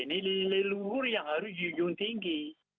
nilai nilai yang harus di ujung tinggi